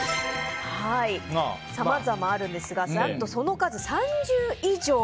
さまざまあるんですがその数３０以上。